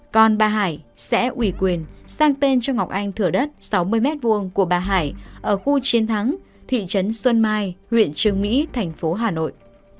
còn bà hải sẽ ủy quyền sang tên cho ngọc anh thửa đất sáu mươi m hai của bà hải ở khu chiến thắng thị trấn xuân mai huyện trương mỹ thành phố hà nội